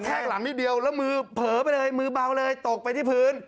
ข้างหลังนิดเดียวแล้วมือเผลอไปเลยมือเบาเลยตกไปที่พื้น